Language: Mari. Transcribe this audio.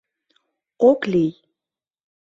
Ок лий...